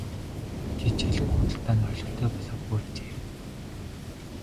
Жижиглэн худалдаа нь олигтой болоогүй ажээ.